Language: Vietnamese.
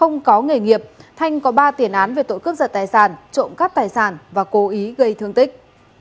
ngoài nghề nghiệp thanh có ba tiền án về tội cướp giật tài sản trộm cắt tài sản và cố ý gây thương tích